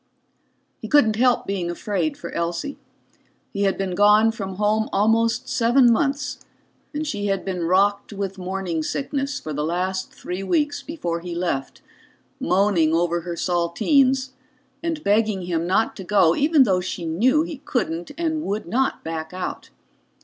He couldn't help being afraid for Elsie; he had been gone from home almost seven months, and she had been rocked with morning sickness for the last three weeks before he left, moaning over her saltines and begging him not to go even though she knew he couldn't and would not back out.